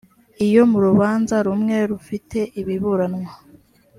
iyo mu rubanza rumwe rufite ibiburanwa